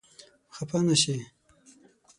خپه نه شې؟